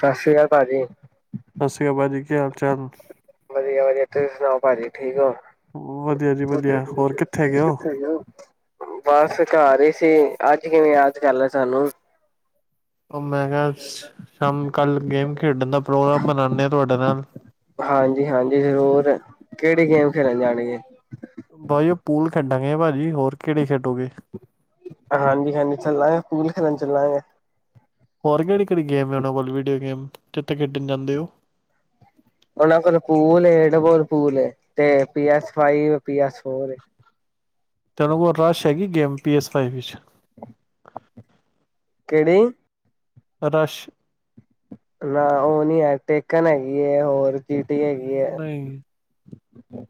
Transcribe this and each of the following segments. ਸਤਿ ਸ੍ਰੀ ਅਕਾਲ, ਭਾਜੀ। ਸ੍ਰੀ ਅਕਾਲ ਭਾਜੀ ਕੀ ਹਾਲ ਚਾਲ। ਵਧੀਆ। ਵਧੀਆ। ਤੁਸੀਂ ਸੁਨਾਓ ਪਾਜੀ ਠੀਕ ਹੋ। ਵਧੀਆ ਜੀ ਵਧੀਆ ਹੋਰ ਕਿੱਥੇ ਹੈਗੇ ਹੋ? ਬਸ ਘਰ ਹੀ ਸੀ। ਅੱਜ ਕਿਵੇਂ ਯਾਦ ਕਰ ਲਿਆ। ਹੈਲੋ। ਉਹ ਮੈਂ ਕਿਹਾ ਸ਼ਾਮ ਕੱਲ ਗੇਮ ਖੇਡਣ ਦਾ ਪ੍ਰੋਗਰਾਮ ਬਨਾਉਨੇ ਆ ਤੁਹਾਡੇ ਨਾਲ। ਹਾਂਜੀ ਹਾਂਜੀ। ਜ਼ਰੂਰ। ਕਿਹੜੀ ਗੇਮ ਖੇਡਣ ਜਾਣੀ ਏ? ਬਾਈ ਉਹ ਪੂਲ ਖੇਡਾਂਗੇ। ਭਾਜੀ ਹੋਰ ਕਿਹੜੀ ਖੇਡੋਗੇ? ਹਾਂਜੀ। ਹਾਂਜੀ। ਚੱਲਾਂਗੇ, ਪੂਲ ਖ਼ੇਲਣ ਚੱਲਾਂਗੇ। ਹੋਰ ਕਿਹੜੀ ਕਿਹੜੀ ਗੇਮ ਹੈ ਉਹਨਾਂ ਕੋਲ ਵੀਡੀਓ ਗੇਮ ਜਿੱਥੇ ਖੇਡਣ ਜਾਂਦੇ ਹੋ। ਉਹਨਾਂ ਕੋਲਪੂਲ, ਡਬੋਪੂਲ ਤੇ P S five P S four ਏ। ਤੈਨੂੰ ਕੋਲ ਰਸ਼ ਹੈਗੀ ਗੇਮ ਪੀ ਐਸ ਫਾਈ ਵਿੱਚ। ਕਿਹੜੀ? ਰਸ਼। ਨਾ ਉਹ ਨੀ ਹੈ। ਟੇਕਣ ਹੈਗੀ ਏ ਹੋਰ ਚੀਟੀ ਹੈਗੀ ਹੈ। ਨਹੀਂ ਹੂੰ।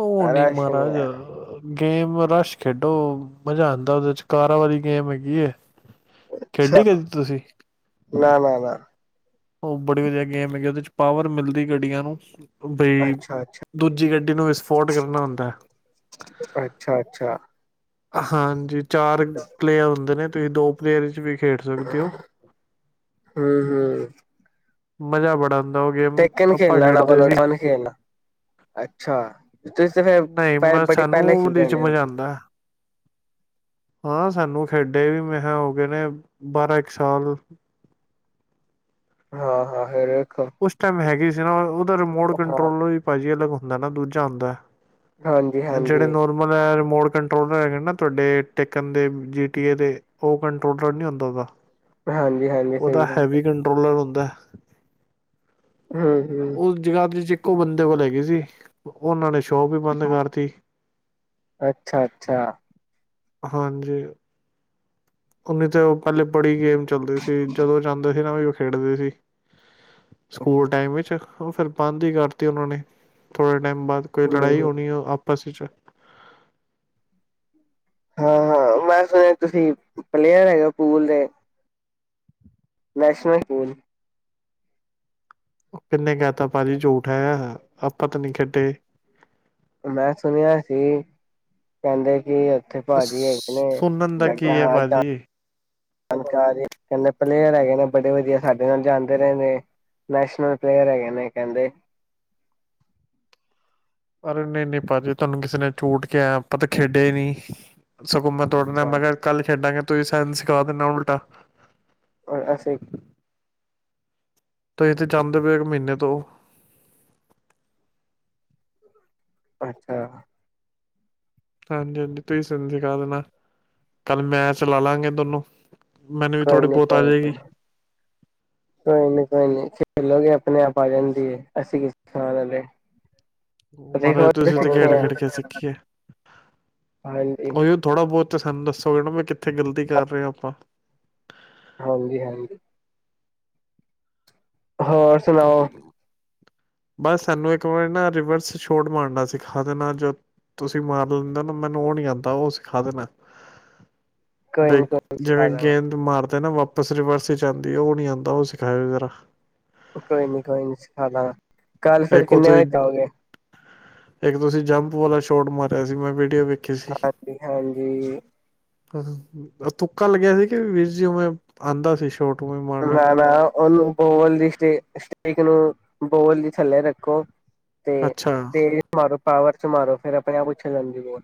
ਉਹ ਨੀ ਮਹਾਰਾਜ। ਗੇਮ ਰਸ਼ ਖੇਡੋ ਮਜ਼ਾ ਆਦਾ ਉਹਦੇ ਚ। ਕਾਰਾਂਵਾਲੀ ਗੇਮ ਹੈਗੀ ਏ। ਅੱਛਾ ਖੇਡੀ ਕਦੀ ਤੁਸੀਂ? ਨਾ, ਨਾ, ਨਾ। ਉਹ ਬੜੀ ਵਧੀਆ ਗੇਮ ਹੈਗੀ। ਉਹਦੇ ਚ ਪਾਵਰ ਮਿਲਦੀ ਗੱਡੀਆਂ ਨੂੰ। ਬਈ ਅੱਛਾ ਅੱਛਾ ਦੂਜੀ ਗੱਡੀ ਨੂੰ ਵਿਸਫੋਰਟ ਕਰਨਾ ਹੁੰਦਾ। ਅੱਛਾ ਅੱਛਾ ਹਾਂਜੀ। ਚਾਰ ਪਲੇਅਰ ਹੁੰਦੇ ਨੇ। ਤੁਸੀਂ ਦੋ ਪਲੇਅਰ ਚ ਵੀ ਖੇਡ ਸਕਦੇ ਹੋ। ਹਮ ਮਜ਼ਾ ਬੜਾ ਹੁੰਦਾ। ਟੇੱਕ ਕੇ ਨੀ ਖੇਲਨਾ ਓਨਾ ਕੋਲੋਂ [inaudible] ਖੇਲਣਾ, ਅੱਛਾ। ਤੁਸੀਂ ਤੇ ਫਿਰ ਨਈ, ਪ ਮੈਂ ਬੜੀ ਸਾਨੂੰ ਪਹਿਲਾਂ ਖੇਲਦੇ ਉਦੇਂ ਚ ਹੋਣੇ ਹੋ ਮਜ਼ਾ ਆਂਦਾ, ਆ ਸਾਨੂੰ ਖੇਡੇ ਵੀ ਮੈਂ ਖਾ ਗਏ ਨੇ, ਬਾਰਾਂ-ਇਕ ਸਾਲ। ਹਾਂ, ਹਾਂ, ਫੇਰ ਉਸ ਟਾਈਮ ਹੈਗੀ [unintelligible] ਓਦਾ ਰਿਮੋਟ ਹਾਂ ਕੰਟਰੋਲ ਵੀ ਪਾਜੀ ਅਲੱਗ ਹੁੰਦਾ ਨਾ, ਦੂਜਾ ਹੁੰਦਾ। ਹਾਂਜੀ ਜੇੜੇ ਹਾਂਜੀ ਨੋਰਮਲ ਐ ਮੋੜ ਕੰਟਰੋਲ ਹੈਗਾ ਨੇ ਤੁਆਡੇ, ਟੇਕਨ ਦੇ, ਜੀ ਟੀ ਏ ਦੇ ਓ ਕੰਟਰੋਲ ਨਹੀਂ ਹੁੰਦਾ ਓਦਾ। ਹਾਂਜੀ ਹਾਂਜੀ ਓਦਾ ਸਹੀ ਗੱਲ ਹੈਵੀ ਹੈ ਕੰਟਰੋਲਰ ਹੁੰ ਦਾ। ਹੂੰ ਹੂੰ ਉਸ ਜਗਾਦਰੀ ਚ ਇੱਕੋ ਬੰਦੇ ਕੋਲ ਹੇਗੀ ਸੀ। ਓਨਾਂ ਨੇ ਸ਼ੋਪ ਵੀ ਬੰਦ ਕਰਤੀ। ਅੱਛਾ ਅੱਛਾ ਹਾਂਜੀ, ਓਨੇ ਤੇ ਓ ਪੈਲੇ ਬੜੀ ਗੇਮ ਚੱਲਦੇ ਸੀ ਜਦੋ ਜਾਂਦੇ ਸੀ ਨਾ ਵੀ ਖੇਡਦੇ ਸੀ। ਸਕੂਲ ਟਾਈਮ ਵਿੱਚ, ਓ ਫੇਰ ਬੰਦ ਹੀ ਕਰਤੀ ਓਨਾਂ ਨੇ, ਥੋੜੇ ਟੈਮ ਬਾਦ, ਕੋਈ ਹੂੰ ਲੜਾਈ ਹੂੰ ਹੋਣੀ ਹੈ ਆਪ ਪਸ ਚ। ਹਾਂ ਹਾਂ, ਮੈਂ ਸੁਣਿਆ, ਤੁਸੀਂ ਪਲੇਅਰ ਹੈਗੇ ਪੂਲ ਦੇ। ਨੈਸ਼ਨਸ਼ਨ ਪੂਲ। ਕਿਨੇ ਕੈ ਤਾ ਪਾਜੀ ਝੂਠ ਹੈ, ਆਪਾਂ ਤਾਂ ਨੀ ਖੇਡ ਤੇ। ਮੈਂ ਸੁਨੇਆ ਸੀ ਕੈਂਦੇ ਕਿ ਉਥੇ ਪਾਜੀ ਹੈਗੇ ਨੇ, ਸੁਣਨ ਦਾ ਮੈਂ ਕੇਆ ਕੀ ਹੈ ਹਾਂ ਭਾਜੀ ਜਾਨਕਾਰ ਏ ਕੈਂਦੇ ਪਲੇਅਰ ਹੈਗੇ ਨੇ, ਬੜੇ ਵਧੀਆ। ਸਾਡੇ ਨਾਲ ਜਾਂਦੇ ਰਏ ਨੇ, ਨੈਸ਼ਨਲ ਪਲੇਅਰ ਹੈਗੇ ਨੇ ਕੈਂਦੇ। ਅਰੇ ਨਈ ਨਈ ਪਾਜੀ, ਤੁਆਨੂੰ ਕਿਸੀ ਨੇ ਝੂਠ ਕੇਯਾ, ਆਪਾਂ ਤਾ ਖੇਡੇ ਹੀ ਨੀ। ਸਗੋਂ ਮੈਂ ਤੁਆਡੇ ਨਾ, ਅੱਛਾ ਮੈਂ ਕੇਆ ਕੱਲ ਖੇਡਾਂਗੇ ਤੂਹੀ ਸਾਨ ਸਿਖਾ ਦਿਨਾ ਉਲਟਾ। ਔਰ ਅਸੀਂ ਤੁਹੀ ਤੇ ਜਾਂਦੇ ਪਏ ਓ ਇੱਕ ਮੀਨੇ ਤੋ। ਅੱਛਾ। ਹਾਂਜੀ ਹਾਂਜੀ, ਤੁਹੀ ਸਾਨ ਸਿਖਾ ਦੇਣਾ, ਕੱਲ ਮੈਚ ਲਾਲਾਂਗੇ ਦੋਨੋ। ਕੋਈ ਨੀ, ਕੋਈ ਨੀ, ਕੋਈ ਨੀ, ਕੋਈ ਨੀ, ਖੇਲੋਗੇ ਆਪਣੇ-ਆਪ ਆ ਜਾਂਦੀ ਏ, ਅਸੀਂ ਕੀ ਸਿੱਖਾਣ ਆਲੇ। ਦੇਖੋ ਮਹਾਰਾਜ ਤੁਸੀਂ ਤਾਂ ਸਿੱਖੇ ਆ ਖੇਡ-ਖੇਡ ਕੇ ਸਿੱਖੀ ਏ, ਹਾਂਜੀ ਉਹੀ ਥੋੜਾ- ਬਹੁਤ ਤੇ ਸਾਨੂੰ ਦੱਸੋ ਕਿ ਮੈਂ ਕਿੱਥੇ ਗ਼ਲਤੀ ਕਰ ਰਿਹਾ ਆਪਾਂ। ਹਾਂਜੀ-ਹਾਂਜੀ ਹੋਰ ਸੁਣਾਓ। ਬਸ ਸਾਨੂੰ ਇੱਕ ਵਾਰੀ ਨਾ ਰਿਵਰਸ ਸ਼ੋਟ ਮਾਰਨਾ ਸਿਖਾ ਦੇਣਾ ਜੋ, ਤੁਸੀਂ ਮਾਰ ਲੈਂਦੇ ਹੋ ਨਾ ਮੈਨੂੰ ਉਹ ਨਹੀਂ ਆਦਾ ਉਹ ਸਿਖਾ ਦੇਣਾ। ਕੋਈ ਬਈ ਨੀ ਕੋਈ ਨੀ ਜਿਵੇਂ ਸਿਖਾ ਦਾਂਗਾ ਗੇਂਦ ਮਾਰਦੇ ਨਾ ਵਾਪ ਆਪਸ ਰਿਵਰਸ 'ਚ ਆਂਦੀ ਉਹ ਨੀ ਆਂਦਾ ਉਹ ਸਿਖਾਇਓ ਜ਼ਰਾ। ਕੋਈ ਨੀ ਕੋਈ ਨੀ ਸਿਖਾਦਾਗਾ। ਕੱਲ ਫਿਰ ਇੱਕ ਉਹ ਕਿੰਨੇ ਤੁਸੀਂ ਵਜੇ ਆਓਗੇ। ਇੱਕ ਤੁਸੀਂ ਜੰਪ ਵਾਲਾ ਸ਼ੋਟ ਮਾਰਿਆ ਸੀ ਮੈਂ ਵੀਡੀਓ ਵੇਖੀ ਹਾਂਜੀ-ਹਾਂਜੀ। ਉਹ ਤੁੱਕਾ ਲੱਗਿਆ ਸੀ ਕਿ ਵੀਰ ਜੀ ਉਵੇ ਆਂਦਾ ਸੀ ਸ਼ੋਟ? ਉਵੇਂ ਮਾਰਨਾ ਨਾ-ਨਾ ਉਹਨੂੰ ਬੌਲ ਦੀ ਸਟੇ ਟੇਕ ਨੂੰ ਬੋਲ ਦੇ ਥੱਲੇ ਰੱਖੋ। ਤੇ ਅੱਛਾ ਤੇਜ ਮਾਰੋ। ਪਾਵਰ 'ਚ ਮਾਰੋ ਫਿਰ ਆਪਣੇ-ਆਪ ਉੱਛਲ ਜਾਂਦੀ ਆ।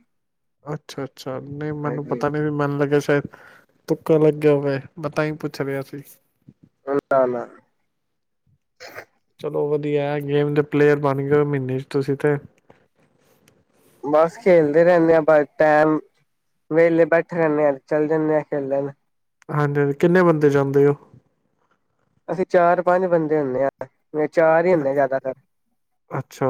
ਅੱਛਾ-ਅੱਛਾ ਨਹੀਂ ਮੈਨੂੰ ਪਤਾ ਨੀ ਵੀ ਮੈਨੂੰ ਲੱਗਿਆ ਸ਼ਾਇਦ ਤੁੱਕਾ ਲੱਗ ਗਿਆ ਹੋਵੇ, ਮੈਂ ਤਾਂ ਹੀ ਪੁੱਛਿਆ ਵੀ [unintelligible] [unintelligible] ਨਾ ਵਧੀਆ ਗੇਮ ਦੇ ਪਲੇਅਰ ਬਣ ਗਏ ਮਹੀਨੇ 'ਚ ਤੁਸੀਂ ਤੇ। ਬਸ ਖੇਡਦੇ ਰਹਿੰਨੇ ਆ ਪਰ ਟੈਮ, ਵਹਿਲੇ ਬੈਠੇ ਰਹਿੰਨੇ ਆ ਚੱਲ ਜਾਨੇ ਆ ਖੇਲਣ। ਹਾਂਜੀ-ਹਾਂਜੀ ਕਿੰਨੇ ਬੰਦੇ ਜਾਂਦੇ ਓ? ਅਸੀਂ ਚਾਰ-ਪੰਜ ਬੰਦੇ ਹੁੰਨੇ ਆ। ਚਾਰ ਹੀ ਹੁੰਦੇ ਜ਼ਿਆਦਾਤਰ। ਅੱਛਾ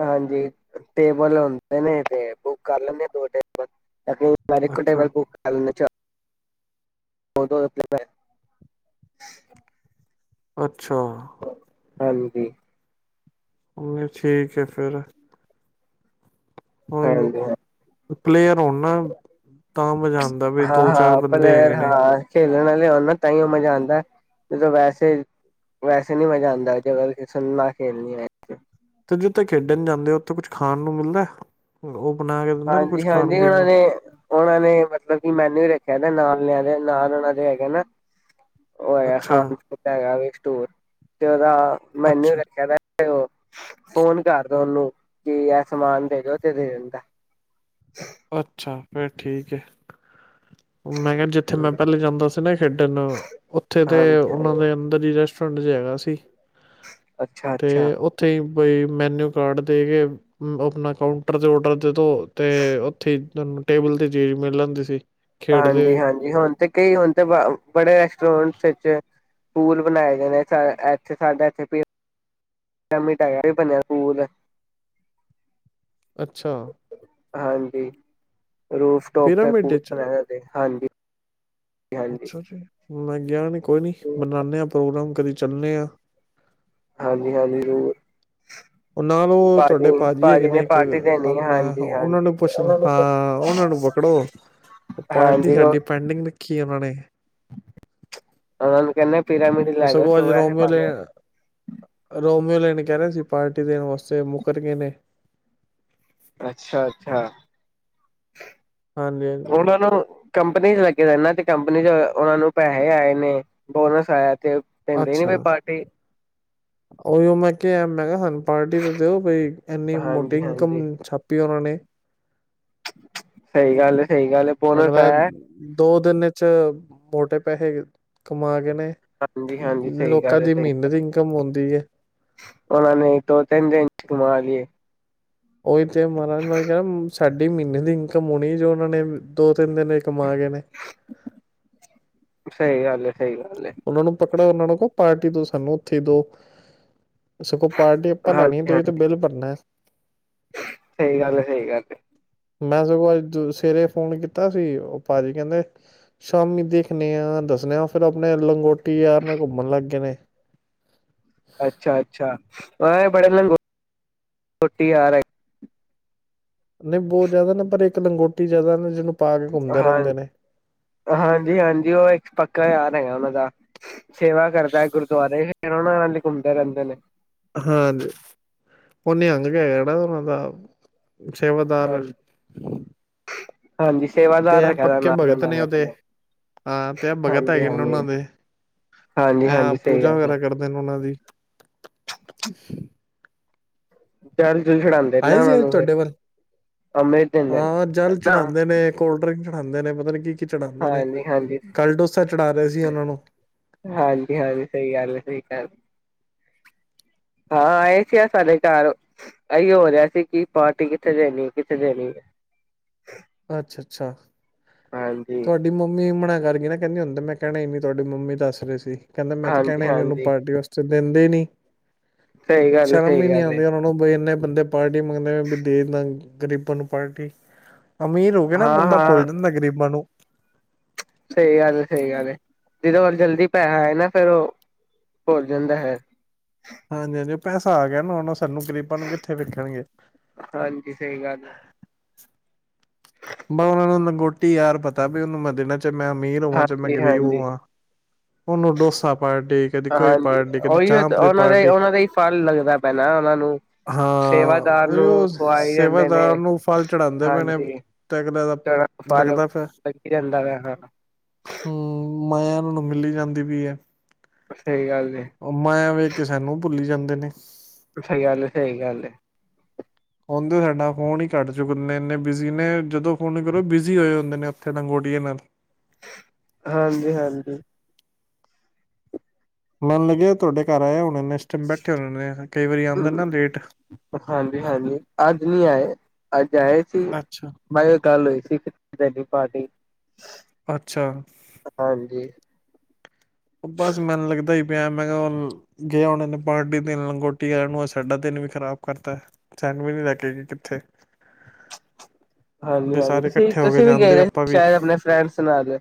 ਹਾਂਜੀ ਟੇਬਲ ਹੁੰਦੇ ਨੇ ਤੇ ਬੁੱਕ ਕਰ ਲੈਂਦੇ ਦੋ ਟੇਬਲ, ਅਸੀਂ ਮੈਂ ਤਾਂ ਇੱਕੋ ਅੱਛਾ ਟੇਬਲ ਬੁੱਕ ਕਰ ਲੈਨਾ ਚਾਰ [unintelligible] ਅੱਛਾ ਹਾਂਜੀ ਉਵੇਂ ਠੀਕ ਏ ਫਿਰ। ਉਹੀ ਓ, ਹਾਂਜੀ ਹਾਂ ਪਲੇਅਰ ਹੋਣ ਨਾ, ਤਾਂ ਮਜ਼ਾ ਆਉਂਦਾ ਵੀ ਹਾਂ ਦੋ-ਚਾਰ ਹਾਂ ਬੰਦੇ ਪਲੇਅਰ ਹੈਗੇ ਨੇ। ਹਾਂ ਖੇਲਣ ਆਲੇ ਹੋਣ ਨਾ ਤਾਹੀਓ ਮਜਾ ਆਂਦਾ, ਜਦੋਂ ਵੈਸੇ, ਵੈਸੇ ਨੀ ਮਜ਼ਾ ਆਂਦਾ ਜਦ ਕਿਸੇ ਨੂੰ ਨਾ ਖੇਲਣੀ ਆਏ। ਅਤੇ ਜਿੱਥੇ ਖੇਡਣ ਜਾਂਦੇ ਆ ਉੱਥੇ ਕੁਛ ਖਾਣ ਨੂੰ ਮਿਲਦਾ? ਉਹ ਬਣਾ ਕੇ ਦਿੰਦੇ ਨੇ ਕੁੱਝ ਖਾਣ ਹਾਂਜੀ-ਹਾਂਜੀ ਪੀਣ ਉਹਨਾਂ ਨੂੰ ਨੇ ਉਹਨਾਂ ਨੇ ਮਤਲਬ ਕਿ ਮੈਨੂ ਰੱਖਿਆ ਰੱਖਿਆ ਦਾ ਨਾਲ ਲਿਆ ਦੇ ਨਾਲ ਉਹਨਾਂ ਦੇ ਹੈਗੇ ਨਾ। ਉਹ ਹੈਗਾ ਅੱਛਾ, ਖਾਣ ਪੀਣ ਹੈਗਾ ਵੇ। ਟੂਰ ਤੇ ਉਹਦਾ ਮੈਨੂ ਅੱਛਾ, ਰੱਖਿਆ ਦਾ ਤੇ ਉਹ ਫੋਨ ਕਰਦਾ ਉਹਨੂੰ ਕਿ ਇਹ ਸਮਾਨ ਦੇ ਦਿੋ ਤੇ ਦੇ ਦਿੰਦਾ ਅੱਛਾ ਫਿਰ ਠੀਕ ਹੈ ਮੈਂ ਕਿਹਾ ਜਿੱਥੇ ਮੈਂ ਪਹਿਲੇ ਜਾਂਦਾ ਸੀ ਨਾ ਖੇਡਣ ਨੂੰ ਉੱਥੇ ਤੇ ਹਾਂਜੀ ਉਹਨਾਂ ਹਾਂਜੀ ਦੇ ਅੰਦਰ ਹੀ ਰ ਜੀ ਹੈਗਾ ਸੀ ਅੱਛਾ ਤੇ ਅੱਛਾ ਉੱਥੇ ਹੀ ਕੋਈ ਮੈਨਊ ਕਾਰਡ ਦੇ ਕੇ ਆਪਣਾ ਕਾਊਂਟਰ ਤੇ ਔਡਰ ਜਦੋਂ ਤੇ ਤੁਹਾਨੂੰ ਟੇਬਲ ਤੇ ਚੀ ਮਿਲ ਲੈਂਦੀ ਸੀ ਖੇਡਦੇ ਹਾਂਜੀ ਹੋਏ ਹਾਂਜੀ ਹੁਣ ਤੇ ਕਈ ਹੁਣ ਤੇ ਬੜੇ ਵਿੱਚ ਪੂਲ ਬਣਾਏ ਗਏ ਨੇ ਇੱਥੇ ਸਾਡਾ ਇਥੇ ਲਾਮਮੀ ਟਾਇ ਵੀ ਬਣਿਆ ਸਕੂਲ ਅੱਛਾ ਹਾਂਜੀ ਰੋਫ ਟੋਪ ਦਾ ਪ ਪਿਰਾਮਿਡ ਚ ਰਹਿ ਦੇ ਹਾਂਜੀ ਹਾਂਜੀ ਅੱਛਾ ਜੀ। ਮੈਂ ਗਿਆ ਨਹੀਂ ਕੋਈ ਨੀ ਬਨਾਉਂਦੇ ਆ ਪ੍ਰੋਗਰਾਮ ਕਦੀ ਚੱਲੇ ਆਾਂ ਹਾਂਜੀ ਹਾਂਜੀ ਜ਼ੂਰਰ ਨਾਲ ਉਹ ਤੁਹਾਡੇ ਭਾਜੀ ਹੈਗੇ ਨੇ ਇੱਕ ਪਾਰਟੀ ਦੇਣੀ ਆਪਣਾ ਹਾਂਜੀ ਉਹਨਾਂ ਹਾਂਜੀ ਨੂੰ ਪੁੱਛ ਲਓ ਹਾਂ ਉਹਨਾਂ ਨੂੰ ਪਕੜੋ ਪਾਰਟੀ ਹਾਂਜੀ ਉਹ ਸਾਡੀ ਪੈਂਡਿੰਗ ਰੱਖੀ ਉਹਨਾਂ ਨੇ ਉਹਨਾਂ ਨੂੰ ਕਹਿੰਦੇ ਪਿਰਾਮਿਡ ਉਹ ਲੈ ਜਾਓ ਸਗੋਂ ਅੱਜ ਸੋਇਆ ਹੈ ਰੋਮਓ ਲ ਪਾਣੇ ਰੋਮ ਲੈਣੇ ਕਹਿ ਰਹੇ ਸੀ ਪਾਰਟੀ ਦੇਣ ਵਾਸਤੇ ਮੁੱਕਰ ਗਏ ਨੇ ਅੱਛਾ ਅੱਛਾ ਹਾਂਜੀ ਹਾਂਜੀ ਕੰਪਨੀ ਚ ਲੱਗੇ ਜਾਂਦਾ ਤੇ ਕੰਪਨੀ ਚ ਉਹਨਾ ਨੂੰ ਪੈਸੇ ਆਏ ਨੇ ਬੋਨਸ ਆਇਆ ਤੇ ਪੈਂਦੇ ਹੀ ਨੀ ਬਈ ਪਾਰਟੀ ਉਹੀ ਮੈਂ ਕਿਹਾ ਆ ਮੈਂ ਕਿਹਾ ਸਾਨੂੰ ਪਾਰਟੀ ਤੇ ਦਿਓ ਬਈ ਇੰਨੀ ਮੋਟੀ ਇਨਕਮ ਹਾਂਜੀ-ਹਾਂਜੀ ਛਾਪੀ ਉਹਨਾਂ ਨੇ ਸਹੀ ਗੱਲ ਸਹੀ ਗੱਲ ਏ ਬੋਨਸ ਅਗਲਾ ਆਇਆ ਦੋ ਦਿਨ ਚ ਮੋਟੇ ਪੈਸੇ ਕਮਾ ਕੇ ਹਾਂਜੀ ਹਾਂਜੀ ਸਹੀ ਗੱਲ ਹੈ ਸਹੀ ਮਹੀਨੇ ਗੱਲ ਦੀ ਇਨਕਮ ਹੁੰਦੀ ਹੈ ਉਹਨਾਂ ਨੇ ਦੋ ਤਿੰਨ ਦਿਨ ਮਾਲਏ ਓ ਤੇ ਮ ਮ ਸਾਡੀ ਮਹੀਨੇ ਦੀ ਇਨਕਮ ਹੋਣੀ ਜੋ ਉਹਨਾਂ ਨੇ ਦੋ ਤਿੰਨ ਦਿਨ ਕਮਾ ਗਏ ਨੇ। ਸਹੀ ਹਾਲ। ਸਹੀ ਗੱਲ। ੜਾ ਉਹਨਾਂ ਨੂੰ ਕਹੋ ਪਾਰਟੀ ਤੋਂ ਸਾਨੂੰ ਉੱਥੇ ਦੋ ਸਗੋਂ ਪਾਰਟੀ ਆਪਾਂ ਲੈਣੀ ਤੁਸੀ ਤੇ ਹਾਂਜੀ-ਹਾਂਜੀ ਬਿੱਲ ਭਰਨਾ ਸਹੀ ਗੱਲ ਹੈ ਸਹੀ ਗੱਲ। ਮੈਂ ਸਗੋਂ ਅੱਜ ਸਵੇਰੇ ਫੋਨ ਕੀਤਾ ਸੀ ਉਹ ਭਾਜੀ ਕਹਿੰਦੇ ਸ਼ਾਮੀ ਦੇਖਣੇ ਆ ਦੱਸਣੇ ਆ ਫਿਰ ਆਪਣੇ ਲੰਗੋਟੀ ਯਾਰ ਨਾਲ ਘੁੰਮਣ ਲੱਗ ਗਏ ਨੇ। ਅੱਛਾ ਅੱਛਾ। ਮ ਬੜੇਛੋਟੀ ਆਾਰ ਨਹੀਂ ਬਹੁਤ ਜ਼ਿਆਦਾ ਨਾ ਪਰ ਇੱਕ ਲੰਗੋਟੀ ਜ ਜ਼ਿਆਦਾ ਨੇ ਜਿਹਨੂੰ ਪਾ ਕੇ ਘੁੰਮਦੇ ਰਹਿੰਦੇ ਨੇ ਹਾਂ ਹਾਂਜੀ ਹਾਂਜੀ ਉਹ ਇੱਕ ਪੱਕਾ ਯਾਰ ਹੈਗਾ ਉਹਨਾਂ ਦਾ ਸੇਵਾ ਕਰਦਾ ਗੁਰਦੁਆਰੇ ਫ ਉਹਨਾਂ ਨਾਲ ਘੁੰਮਦੇ ਰਹਿੰਦੇ ਨੇ। ਹਾਂਜੀ ਉਹ ਨ ਅੰਗ ਕੇ ਕਿੜਾ ਨਾਂ ਦਾ ਹਾਂ ਸੇਵਾਦਾਰ ਹਾਂਜੀ ਤੇ ਸੇਵਾਦਾਰ ਇਹ ਰੱਖਿਆ ਦਾ ਪੱਕੇ ਨਾਲ ਭਗਤ ਉਹਨਾਂ ਨੇ ਉਹਦੇ ਆਪਣੇ ਹਾਂ ਤੇ ਆ ਭਗਤ ਹਾਂਜੀ ਹੈਗੇ ਨੇ ਹਾਂਜੀ ਉਹਨਾਂ ਦੇ ਹਾਂਜੀ ਐ ਹਾਂਜੀ ਸਹੀ ਪੂਜਾ ਗੱਲ ਹੈ ਵਗੈਰਾ ਕਰਦੇ ਨੇ ਉਹਨਾਂ ਦੀ। ਹ। ਚਰ ਛਡਾਉਂਦੇ ਨੇ ਨਾ ਉਹਨਾਂ ਸੀ ਅੱਜ ਨੂੰ ਤੁਹਾਡੇ ਵੱਲ ਫਿਰ ਅੰਮ੍ਰਿਤ ਦਿੰਦੇ ਨੇ ਨਾ ਖਦੇ ਨੇ ਪਤਾ ਨ ਕੀ ਕੀ ਚੜਾਉਂਦੇ ਨੇ ਹਾਂਜੀ ਹਾਂਜੀ ਕੱਲ ਡੋਸਾ ਚੜਾ ਰਹੇ ਸੀ ਉਹਨਾਂ ਨੂੰ ਹਾਂਜੀ ਹਾਂਜੀ ਸਹੀ ਗੱਲ ਹੈ ਸਹੀ ਗ। ਹਾਂ ਇਹ ਸੀ ਆ ਸਾਡੇ ਘਰ ਇਹੀ ਹੋ ਰਿਹਾ ਸੀ ਕਿ ਪਾਰਟੀ ਕਿੱਥੇ ਦੇਣੀ ਹੈ ਕਿੱਥੇ ਦੇਣੀ ਹੈ। ਅੱਛਾ ਅੱਛਾ। ਹਾਂਜੀ ਤੁਹਾਡੀ ਮੰਮੀ ਮਨਾ ਕਰ ਗਈ ਕਹਿੰਦੀ ਹੁੰਦਾ ਮੈਂ ਕਹਿਣਾ ਇੰਨੀ ਤੁਹਾਡੀ ਮੰਮੀ ਦੱਸ ਰਹੇ ਸੀ ਕਹਿੰਦਾ ਮੈਂ ਤਾਂ ਹਾਂਜੀ ਕਹਿਣਾ ਹੀ ਨੀ ਉਹਨੂੰ ਹਾਂਜੀ ਪਾਰਟੀ ਵਾਸਤੇ। ਦਿੰਦੇ ਨੀ ਸਹੀ ਗੱਲ ਸ਼ਰਮ ਸਹੀ ਵੀ ਨਹੀਂ ਗੱਲ ਹੈ ਆਉਂਦੀ ਉਹਨਾਂ ਨੂੰ ਇੰਨੇ ਬੰਦੇ ਪਾਰਟੀ ਮੰਗਦੇ ਹੋਏ ਵੀ ਦੇਸ਼ ਦਾ ਗ਼ਰੀਬਾਂ ਨੂੰ ਪਾਰਟੀ। ਅਮੀਰ ਹੋ ਕੇ ਨਾ ਹਾਂ ਬੰਦਾ ਭੁੱਲ ਹਾਂ ਜਾਂਦਾ ਗ਼ਰੀਬਾਂ ਨੂੰ ਸਹੀ ਗੱਲ ਸਹੀ ਗੱਲ ਜਿਦੋਂ ਵਰ ਜਲਦੀ ਪੈਸਾ ਆਏ ਨਾ ਫੇਿਰ ਉਹ ਭੋਲ ਜਾਂਦਾ ਹੈ। ਹਾਂਜੀ ਹਾਂਜੀ ਉਹ ਪੈਸਾ ਆ ਗਿਆ ਨਾੁਣ ਸਾਨੂੰ ਗਰੀਬਾਂ ਨੂੰ ਕਿੱਥੇ ਵੇਖਣਗੇ। ਹਾਂਜੀ ਸਹੀ ਗੱਲ ਹੈ। ਬਸ ਉਹਨਾ ਨੂੰ ਲੰਗੋਟੀ ਯਾਰ ਪਤਾ ਵੀ ਉਹਨੂੰ ਮੈਂ ਦੇ ਨਾਲ ਚਾਹੇ ਮੈਂ ਅਮੀਰ ਹੋਵਾਂ ਚਾਹੇ ਮੈਂ ਹਾਂਜੀ ਗ਼ਰੀਬ ਹਾਂਜੀ ਹੋਵਾਂ। ਉਹਨੁੰ ਡੋਸਾ ਆਪ ਹਾਂਜੀ ਉਹੀ ਦੀ ਉਹਨਾਂ ਦਾ ਪਾਰਟੀ ਉਹਨਾਂ ਦਾ ਹੀ ਫਲ ਲੱਗਦਾ ਪੈਣਾ ਉਹਨਾਂ ਨੂੰ ਹਾਂ ਸੇਵਾਦਾਰ ਉਹੀਓ ਨੂੰ ਖੁਵਾਈ ਦੇਦੇ ਨੇ ਸੇਵਾਦਾਰ ਨੂੰ ਫਲ ਚੜਾਉਂਦੇ ਪਏ ਨੇ ਹਾਂਜੀ। ਤੇ ਅਗਲੇ ਦਾ ਫਲ ਲੱਗਦਾ ਪਿਆ ਲੱਗੀ ਰੈਂਦਾ ਵਾ ਹਾਂ। ਹੂੰ ਮਾਇਆ ਇਹਨਾਂ ਨੂੰ ਮਿਲੀ ਜਾਂਦੀ ਪਈ ਐ। ਸਹੀ ਗੱਲ ਏ ਉਹ ਮਾਇਆ ਵੇਖ ਕੇ ਸਾਨੂੰ ਭੁੱਲੀ ਜਾਂਦੀ। ਨੇ ਸਹੀ ਗੱਲ ਹੈ, ਸਹੀ ਗੱਲ ਹੈ। ਹੁਣ ਤੇ ਸਾਡਾ ਫੋਨ ਹੀ ਘਟ ਚੁੱਕਦੇ ਨੇ ਇੰਨੇ ਬਿਜੀ ਨੇ ਜਦੋਂ ਫੋਨ ਕਰੋ ਬਿਜੀ ਹੋਏ ਹੁੰਦੇ ਨੇ ਉਥੇ ਲੰਗੋਟੀਏ ਨਾਲ ਹਾਂਜੀ, ਹਾਂਜੀ। ਮੈਨੂੰ ਲੱਗੇ ਤੁਹਾਡੇ ਘਰ ਆਏ ਐ ਉਹ ਮੰਮੀ ਇਸ ਟਾਈਮ ਬੈਠੇ ਹੁੰਦੇ ਨੇ, ਕਈ ਵਾਰੀ ਆਂਦੇ ਨੇ ਲੇਟ ਹਾਂਜੀ ਹਾਂਜੀ ਅੱਜ ਨੀ ਆਏ ਅੱਜ ਜਾ ਆਏ ਸੀ ਅੱਛਾ ਮੈ ਗੱਲ ਹੋਈ ਸੀ ਕਿਨੀ ਪਾਰਟੀ ਅੱਛਾ, ਹਾਂਜੀ ਬਸ ਮੈਨੂੰ ਲੱਗਦਾ ਹੀ ਪਿਆ ਮੈਂ ਕਿਹਾ ਹੁਣ ਗਿਆ ਉਹਨਾਂ ਨੂੰ ਨੇ ਪਾਰਟੀ ਦਿਨ ਲੰਗੋਟੀ ਵਾਲਿਆਂ ਨੂੰ ਸਾਡਾ ਦਿਨ ਵੀ ਖਰਾਬ ਕਰਤਾ ਛਡ ਵੀ ਨ ਲੈ ਕੇ ਗਏ ਕਿੱਥੇ ਹਾਂਜੀ ਵੀ -ਹਾਂਜੀ ਸਾਰੇ ਤੁਸੀ ਇਕੱਠੇ ਹੋ ਕੇ -ਤੁਸੀਂ ਵੀ ਗਏ ਜਾਂਦੇ ਰ ਆਪਾਂ ਵੀ ਸ਼ਾਇਦ ਆਪਣੇ ਫਰੈਂਡਸ ਨਾਲ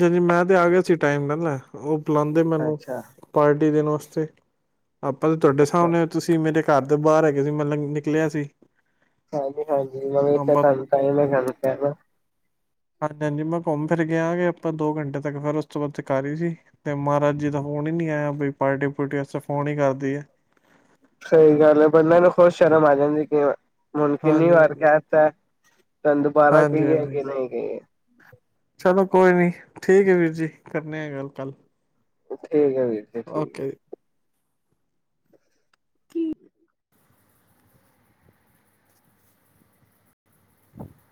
ਤੁਸੀਂ ਮੈਂ ਤੇ ਆਗਿਆ। ਚ ਟਾਈਮ ਪਹਿਲਾਂ ਉਹ ਬਲਾਉਂਦੇ ਮੈਨੂੰ ਅੱਛਾ ਪਾਰਟੀ ਦੇਨ ਵਾਸਤੇ ਸੇ ਆਪਾਂ ਤਾਂ ਤੁਹਾਡੇ ਅੱਛਾ ਸਾਹਮਣੇ ਤੁਸੀਂ ਮੇਰੇ ਘਰ ਤੋਂ ਬਾਹਰ ਹੈਗੇ ਸੀ, ਮਤਲਬ ਨਿਕਲਿਆ ਸੀ। ਹਾਂਜੀ ਹਾਂਜੀ ਮੈ ਇਥੇ ਆਪਾਂ ਕੰਮ ਤਈ ਮੈਂ ਮੈਮ ਕਹਿਨਾ। ਹਾਂਜੀ ਹਾਂਜੀ ਮੈਂ ਘੁੰਮ ਫਿਰ ਗਿਆ ਕਿ ਆਪਾਂ ਦੋ ਘੰਟੇ ਤੱਕ ਫਿਰ ਉਸ ਤੋਂ ਬਾਅਦ ਘਰ ਹੀ ਸੀ, ਤੇ ਮਹਾਰਾਜ ਜੀ ਦਾ ਫੋਨ ਹੀ ਨੀ ਆਇਆ ਬਈ ਪਾਰਟੀ ਪੁਰਟੀ ਵਾਸਤੇ ਫੋਨ ਹੀ ਕਰਦੀ ਏ। ਸਹੀ ਗੱਲ ਹੈ ਬੰਦੇ ਨੂੰ ਖੁਦ ਸ਼ਰਮ ਆ ਜਾਂਦੀ ਐ ਕਿ ਮੈਨੂੰ ਕਿੰਨੀ ਹਾਂਜੀ ਵਾਰ ਹਾਂਜੀ ਕਿਹ ਦਿਤਾ। ਤਾਂ ਦੁਬਾਰਾ ਹਾਂਜੀ ਕਹੀਏ ਹਾਂਜੀ ਕਿ ਨਹੀਂ ਕਹੀਏ ਚਲੋ ਕੋਈ ਨੀ ਠੀਕ ਹੈ ਵੀਰ ਜੀ ਕਰਨੇ ਆ ਗੱਲ ਕੱਲ ਠੀਕ ਐ ਵੀਰ ਜੀ। ਓਕੇ [unintelligible] [unintelligible]